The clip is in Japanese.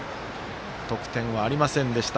得点はありませんでした。